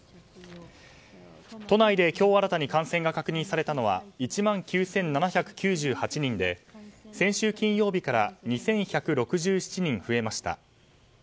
都内で今日新たに感染が確認されたのは１万９７９８人で先週金曜日から２１６７人増えました。